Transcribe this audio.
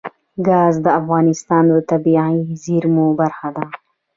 ګاز د افغانستان د طبیعي زیرمو برخه ده.